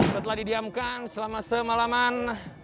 setelah didiamkan selama semalaman